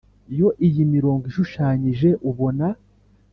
yo iyi mirongo ishushanyije ubona,